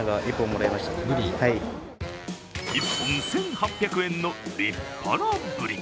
１本１８００円の立派なブリ。